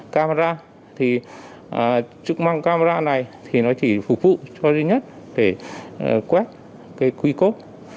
camera thì chức năng camera này thì nó chỉ phục vụ cho duy nhất để quét cái quy cốt